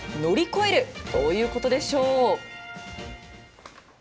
みんなで乗り越えるどういうことでしょう。